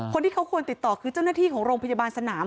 คนที่เขาควรติดต่อคือเจ้าหน้าที่ของโรงพยาบาลสนาม